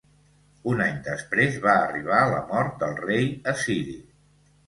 Un any després va arribar la mort del rei assiri.